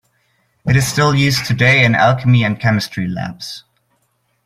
It is still used today in alchemy and chemistry labs.